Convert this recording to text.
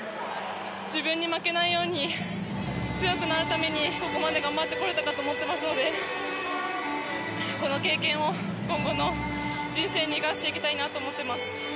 自分に負けないように強くなるためにここまで頑張ってこれたかと思っていますのでこの経験を今後の人生に生かしていきたいなと思っています。